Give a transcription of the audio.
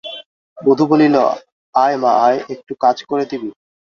বধূ বলিল, আয় মা আয়, একটু কাজ করে দিবি?